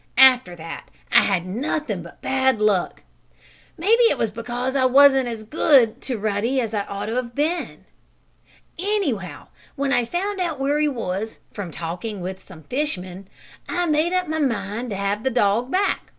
After that I had nothing but bad luck. Maybe it was because I wasn't as good to Ruddy as I ought to have been. "Anyhow when I found out where he was, from talking with some fish men, I made up my mind to have the dog back.